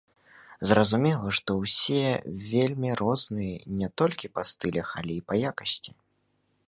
Зразумела, што ўсе вельмі розныя не толькі па стылях, але і па якасці.